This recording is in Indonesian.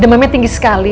demennya tinggi sekali